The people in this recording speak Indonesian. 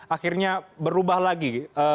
akhirnya berubah lagi